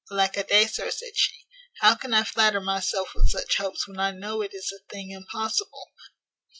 "Alack a day, sir," said she, "how can I flatter myself with such hopes when I know it is a thing impossible?